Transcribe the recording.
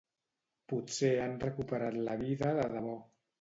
Potser han recuperat la vida de debò.